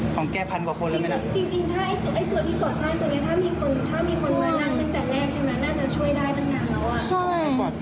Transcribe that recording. ของแก้พันกว่าคนหรือไม่น่ะ